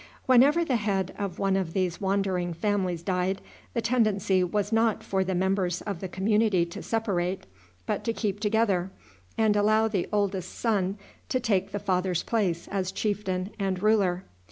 Whenever the head of one of these wandering families died, the tendency was not for the members of the community to separate, but to keep together, and allow the oldest son to take the father's place as chieftain and ruler.